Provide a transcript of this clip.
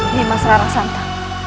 ini masalah rasanta